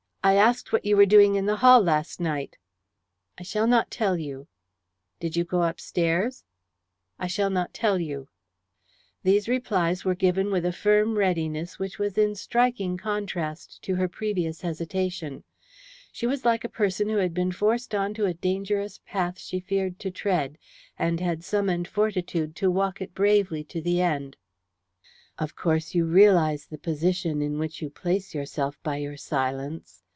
I asked what were you doing in the hall last night." "I shall not tell you." "Did you go upstairs?" "I shall not tell you." These replies were given with a firm readiness which was in striking contrast to her previous hesitation. She was like a person who had been forced on to a dangerous path she feared to tread, and had summoned fortitude to walk it bravely to the end. "Of course you realize the position in which you place yourself by your silence?"